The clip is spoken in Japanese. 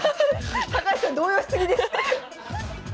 高橋さん動揺し過ぎです。